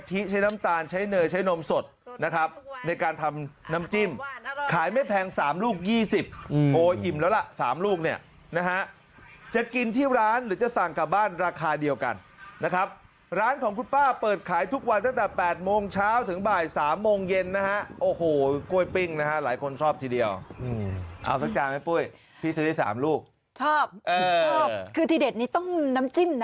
ใช้น้ำตาลใช้เนยใช้นมสดนะครับในการทำน้ำจิ้มขายไม่แพง๓ลูก๒๐โอ้อิ่มแล้วล่ะ๓ลูกเนี่ยนะฮะจะกินที่ร้านหรือจะสั่งกลับบ้านราคาเดียวกันนะครับร้านของคุณป้าเปิดขายทุกวันตั้งแต่๘โมงเช้าถึงบ่ายสามโมงเย็นนะฮะโอ้โหกล้วยปิ้งนะฮะหลายคนชอบทีเดียวเอาสักจานไหมปุ้ยพี่ซื้อได้๓ลูกชอบคือทีเด็ดนี้ต้องน้ำจิ้มนะ